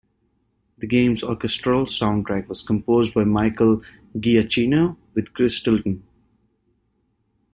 The game's orchestral soundtrack was composed by Michael Giacchino with Chris Tilton.